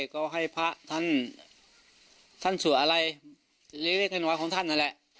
ก็ให้พระท่านท่านสั่วอะไรเรียกได้แค่หนวดของท่านนั่นแหละ